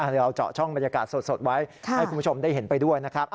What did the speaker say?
เดี๋ยวเราเจาะช่องบรรยากาศสดไว้ให้คุณผู้ชมได้เห็นไปด้วยนะครับ